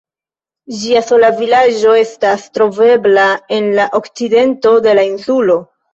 Ĝia sola vilaĝo estas trovebla en la okcidento de la insulo.